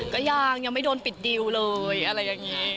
ก็ยังยังไม่โดนปิดดีลเลยอะไรอย่างนี้